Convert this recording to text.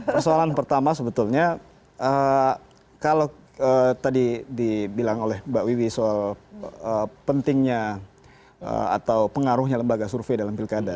persoalan pertama sebetulnya kalau tadi dibilang oleh mbak wiwi soal pentingnya atau pengaruhnya lembaga survei dalam pilkada